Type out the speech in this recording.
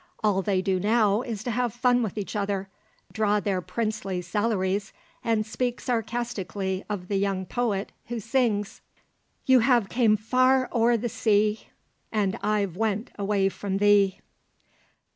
All they do now is to have fun with each other, draw their princely salaries, and speak sarcastically of the young poet who sings, "You have came far o'er the sea, And I've went away from thee."